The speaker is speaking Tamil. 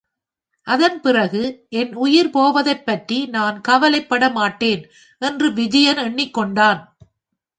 அதன் பிறகு என் உயிர் போவதைப்பற்றி நான் கவலைப்பட மாட்டேன் என்று விஜயன் எண்ணிக் கொண்டான்.